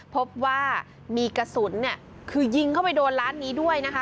พบว่ามีกระสุนเนี่ยคือยิงเข้าไปโดนร้านนี้ด้วยนะคะ